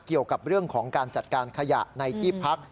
เกี่ยวกับเรื่องของการจัดการขยะในที่พัก